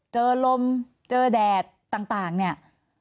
เจอลมเจอแดดต่างเนี่ย